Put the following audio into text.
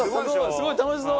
すごいでしょう？